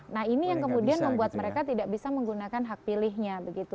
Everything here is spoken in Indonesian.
nah ini yang kemudian membuat mereka tidak bisa menggunakan hak pilihnya begitu